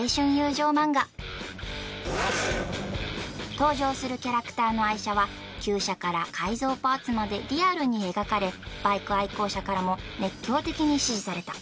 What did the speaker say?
登場するキャラクターの愛車は旧車から改造パーツまでリアルに描かれバイク愛好者からも熱狂的に支持された